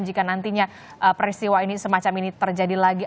jika nantinya peristiwa ini semacam ini terjadi lagi